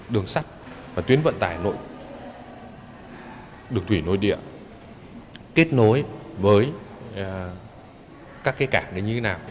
đường sắt và tuyến vận tải nội đường thủy nội địa kết nối với các cái cảng như thế nào